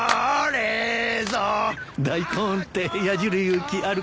大根ってやじる勇気あるかい？